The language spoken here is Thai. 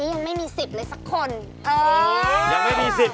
ตอนนี้ยังไม่มี